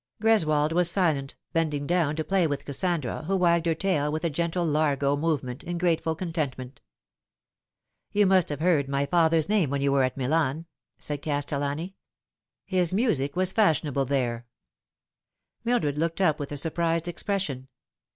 Greswold was silent, bending down to play with Kassandra, who wagged her tail with a gentle largo movement, in grateful contentment. " You must have heard my father's name when you were at Milan," said Castellani. " His music was fashionable there" Mildred looked up with a surprised expression.